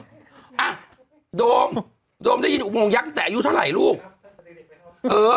อ่ะโดมโดมได้ยินอุโมงยักษ์แต่อายุเท่าไหร่ลูกเออ